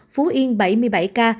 phú yên bảy mươi bảy ca